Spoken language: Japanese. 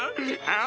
ああ！